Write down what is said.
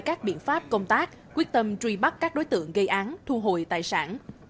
các biện pháp công tác quyết tâm truy bắt các đối tượng gây án thu hồi tài sản